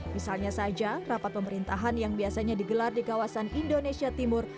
misalnya saja rapat pemerintahan yang biasanya digelar di kawasan indonesia timur